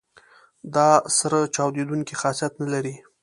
دا سره چاودیدونکي خاصیت نه لري.